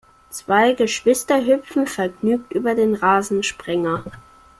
Zwei Geschwister hüpfen vergnügt über den Rasensprenger.